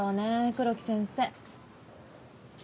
黒木先生。